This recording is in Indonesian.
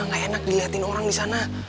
gak enak dilihatin orang di sana